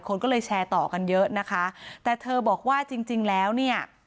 คนก็เลยแชร์ต่อกันเยอะนะคะแต่เธอบอกว่าจริงจริงแล้วเนี่ย